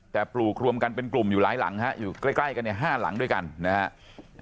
แต่ปลูกรวมกันเป็นกลุ่มอยู่หลายหลังฮะอยู่ใกล้กันเนี่ย๕หลังด้วยกันนะครับ